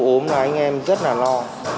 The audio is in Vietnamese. ốm là anh em rất là lo